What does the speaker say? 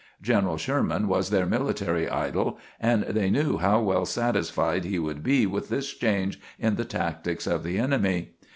General Sherman was their military idol, and they knew how well satisfied he would be with this change in the tactics of the enemy.